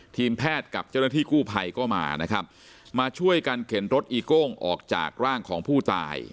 ทีมแพทย์กับเจ้าหน้าที่กู้ภัยก็มานะครับมาช่วยกันเข็นรถอีโก้งออกจากร่างของผู้ตาย